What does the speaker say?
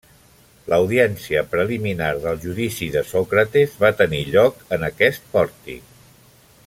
L'audiència preliminar del judici de Sòcrates va tenir lloc en aquest pòrtic.